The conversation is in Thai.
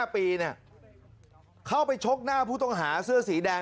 ๕ปีเข้าไปชกหน้าผู้ต้องหาเสื้อสีแดง